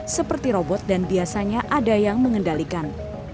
seperti robot dan biasanya ada yang mengendalikan